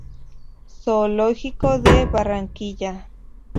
Zoológico de Barranquilla.